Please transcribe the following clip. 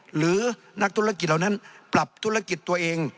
หรือนักธุรกิจเหล่านั้นปรับธุรกิจตัวเอง